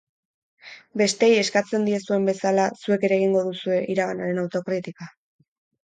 Besteei eskatzen diezuen bezala, zuek ere egingo duzue iraganaren autokritika?